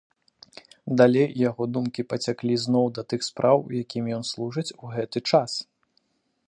Далей яго думкі пацяклі зноў да тых спраў, якім ён служыць у гэты час.